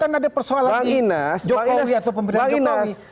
bukan ada persoalan di jokowi atau pemerintah jokowi